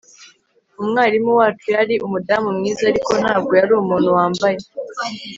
Umwarimu wacu yari umudamu mwiza ariko ntabwo yari umuntu wambaye